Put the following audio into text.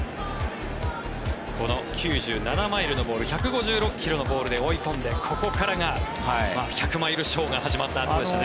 この９７マイルのボール１５６ｋｍのボールで追い込んでここからが１００マイルショーが始まったわけですね。